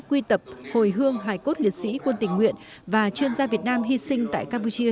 quy tập hồi hương hài cốt liệt sĩ quân tình nguyện và chuyên gia việt nam hy sinh tại campuchia